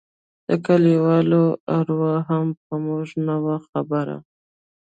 د کليوالو اروا هم په موږ نه وه خبره.